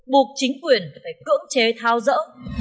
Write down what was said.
buộc chính quyền phải cưỡng chế thao dỡ